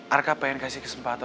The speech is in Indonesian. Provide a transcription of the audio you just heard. arka pengen kasih kesempatan